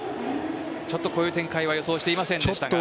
ちょっとこういう展開は予想していませんでしたが。